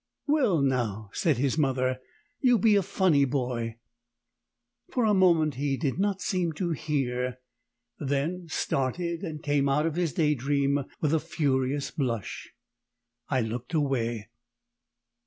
"Well now," said his mother, "you be a funny boy!" For a moment he did not seem to hear; then started and came out of his day dream with a furious blush. I looked away.